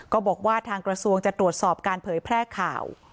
บอกว่าทางกระทรวงจะตรวจสอบการเผยแพร่ข่าว